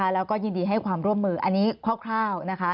แล้วก็ยินดีให้ความร่วมมืออันนี้คร่าว